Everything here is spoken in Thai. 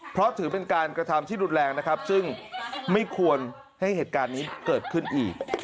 เพราะถือเป็นการกระทำที่รุนแรงนะครับซึ่งไม่ควรให้เหตุการณ์นี้เกิดขึ้นอีก